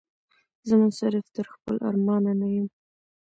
زه منصرف تر خپل ارمان نه یمه